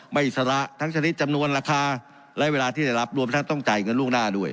อิสระทั้งชนิดจำนวนราคาและเวลาที่ได้รับรวมทั้งต้องจ่ายเงินล่วงหน้าด้วย